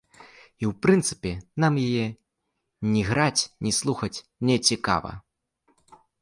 І ў прынцыпе, нам яе ні іграць, ні слухаць нецікава.